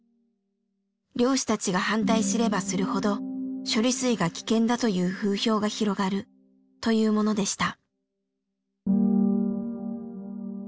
「漁師たちが反対すればするほど処理水が危険だという風評が広がる」というものでした。